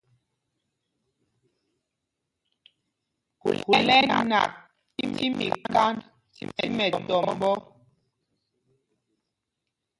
Khūl ɛ́ ɛ́ nak tí mikánd tí mɛtɔmbɔ́.